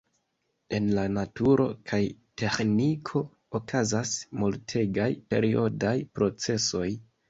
En la naturo kaj teĥniko okazas multegaj periodaj procesoj.